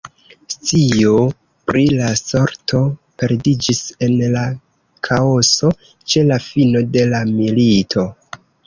Scio pri la sorto perdiĝis en la kaoso ĉe la fino de la milito.